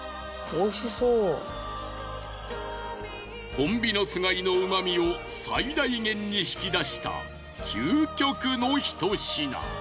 ホンビノス貝のうまみを最大限に引き出した究極のひと品。